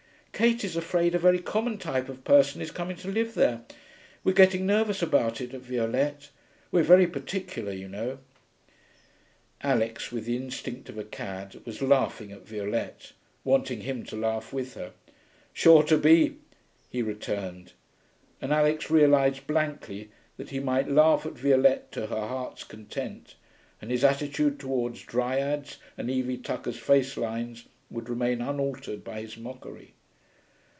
'Kate is afraid a very common type of person is coming to live there. We're getting nervous about it at Violette. We're very particular, you know.' Alix, with the instinct of a cad, was laughing at Violette, wanting him to laugh with her. 'Sure to be,' he returned; and Alix realised blankly that he might laugh at Violette to her heart's content and his attitude towards dryads and Evie Tucker's face lines would remain unaltered by his mockery.